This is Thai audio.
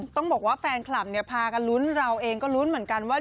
ต้องบอกว่าแฟนคลับเนี่ยพากันลุ้นเราเองก็ลุ้นเหมือนกันว่า